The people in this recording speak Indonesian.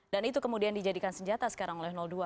dan itu kemudian dijadikan senjata sekarang oleh dua